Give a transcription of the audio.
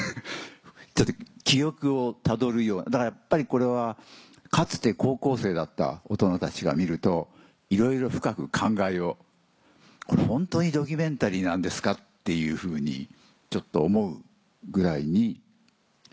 ちょっと記憶をたどるようなだからやっぱりこれはかつて高校生だった大人たちが見るといろいろ深く感慨をこれホントにドキュメンタリーなんですかっていうふうにちょっと思うぐらいに。